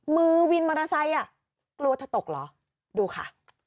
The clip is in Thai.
วินมอเตอร์ไซค์อ่ะกลัวเธอตกเหรอดูค่ะ